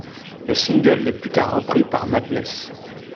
Le single est plus tard repris par Madness.